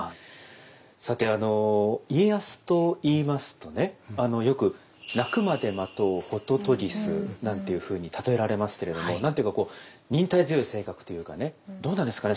さてあの家康といいますとねよく「鳴くまで待とうホトトギス」なんていうふうに例えられますけれども何て言うかこう忍耐強い性格というかねどうなんですかね